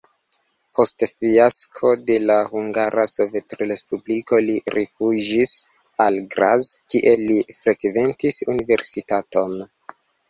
Post fiasko de la Hungara Sovetrespubliko li rifuĝis al Graz, kie li frekventis universitaton.